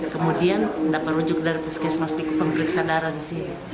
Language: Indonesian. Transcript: kemudian dapat rujuk dari puskesmas di pemeriksa darah di sini